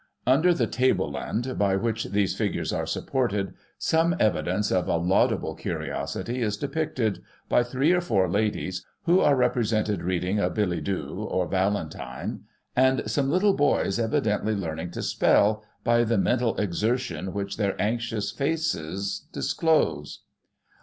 Under the tableland by which these figures are supported, some evidence of a laudable curiosity is depicted, by three or four ladies, who are represented reading a billet doux, or valentine, and some little boys, evidently learning Digiti ized by Google i84o] MULREADY ENVELOPE. 131 to spell, by the mental exertion which their anxious faces disclose.